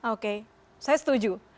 oke saya setuju